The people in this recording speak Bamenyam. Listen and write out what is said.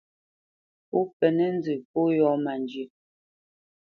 Pó mpénə̄ nzə pó yɔ̂ má njyə́.